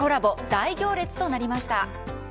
大行列となりました。